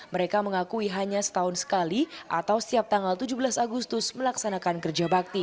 mereka mengakui hanya setahun sekali atau setiap tanggal tujuh belas agustus melaksanakan kerja bakti